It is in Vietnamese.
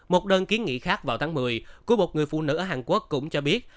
một đơn kiến nghị khác vào tháng một mươi của một người phụ nữ ở hàn quốc cũng cho biết